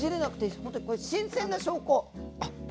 そう新鮮な証拠。